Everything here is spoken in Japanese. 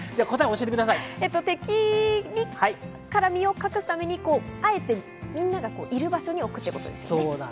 敵から身を隠すためにあえってみんながいる場所に置くってことですね。